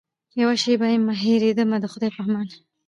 یوه شېبه یمه هېرېږمه د خدای په امان.